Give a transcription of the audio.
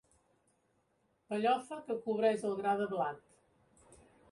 Pellofa que cobreix el gra de blat.